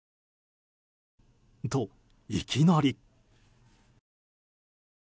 と、いきなり。